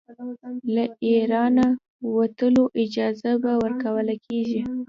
له اېرانه وتلو اجازه به ورکوله کیږي.